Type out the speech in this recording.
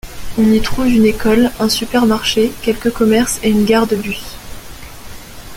On y trouve une école, un supermarché, quelques commerces et une gare de bus.